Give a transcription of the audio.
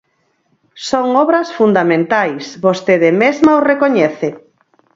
Son obras fundamentais, vostede mesma o recoñece.